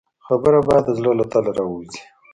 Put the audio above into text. خبره باید د زړه له تله راووځي.